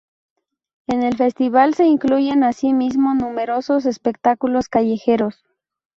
En el festival se incluyen, asimismo, numerosos espectáculos callejeros.